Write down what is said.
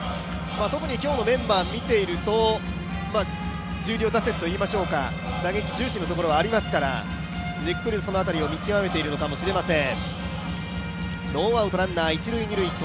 特に今日のメンバーを見ていると、重量打線といいましょうか打撃重視のところはありますからじっくりその辺りを見極めているのかもしれません。